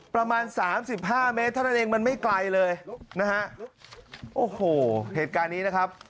ประมาณสามสิบห้าเมตรเท่านั้นเองมันไม่ไกลเลยนะฮะโอ้โหเหตุการณ์นี้นะครับ